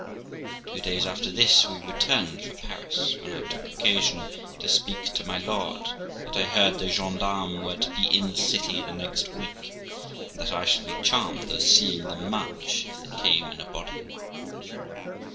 Two days after this we returned for Paris, when I took occasion to speak to my lord, that I heard the gens d'armes were to be in the city the next week, and that I should be charmed with seeing them march if they came in a body.